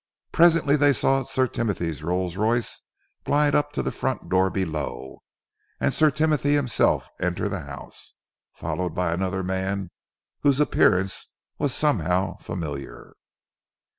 Presently they saw Sir Timothy's Rolls Royce glide up to the front door below and Sir Timothy himself enter the house, followed by another man whose appearance was somehow familiar.